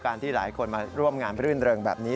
การที่หลายคนมาร่วมงานเรื่องเริ่มแบบนี้